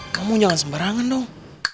ngomong jangan sembarangan dong